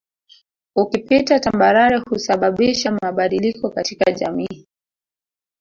Ukipita tambarare husababisha mabadiliko katika jamii